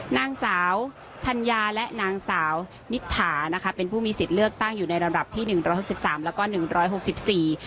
นางสาวธัญญาและนางสาวนิษฐานะคะเป็นผู้มีสิทธิ์เลือกตั้งอยู่ในระดับที่หนึ่งร้อยหกสิบสามแล้วก็หนึ่งร้อยหกสิบสี่